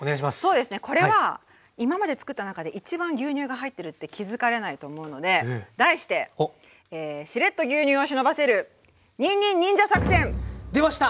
そうですねこれは今までつくった中で一番牛乳が入ってるって気付かれないと思うので題してしれっと牛乳を忍ばせるにんにん出ました！